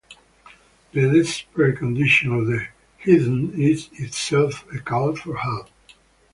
The desperate condition of the heathen is, itself, a call for help.